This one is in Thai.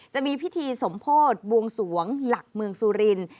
จะมีพิธีสมโพธิบวงสวงหลักเมืองสุรินทร์